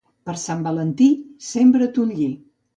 Per Sant Valentí, sembra ton lli.